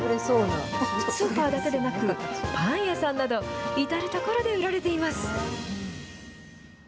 スーパーだけでなく、パン屋さんなど、至る所で売られています。